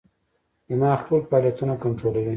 دماغ ټول فعالیتونه کنټرولوي.